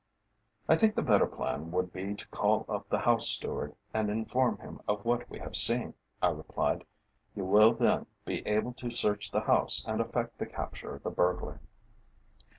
"I think the better plan would be to call up the house steward and inform him of what we have seen," I replied. "You will then be able to search the house and effect the capture of the burglar."